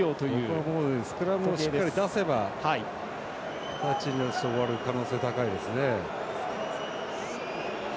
ここはもうスクラムをしっかり出せばタッチに出して終わる可能性高いですね。